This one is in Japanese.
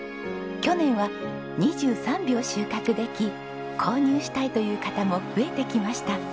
去年は２３俵収穫でき購入したいという方も増えてきました。